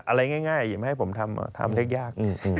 อะไรง่ายไม่ให้ผมทำทำเลขยาก